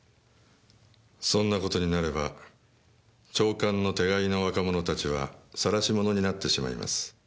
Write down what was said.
そんな事になれば長官の手飼いの若者たちはさらし者になってしまいます。